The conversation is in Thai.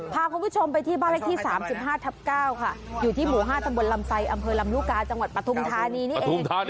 พาคุณผู้ชมไปที่บ้านเลขที่๓๕ทับ๙ค่ะอยู่ที่หมู่๕ตำบลลำไซอำเภอลำลูกกาจังหวัดปทุมธานีนี่เอง